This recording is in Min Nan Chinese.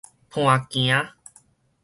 伴行